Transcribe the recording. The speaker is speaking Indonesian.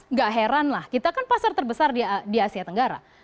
tidak heranlah kita kan pasar terbesar di asia tenggara